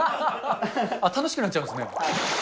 楽しくなっちゃいますね。